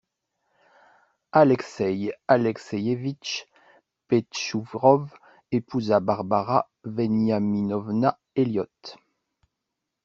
Alexeï Alexeïevitch Pechtchourov épousa Barbara Veniaminovna Elliot.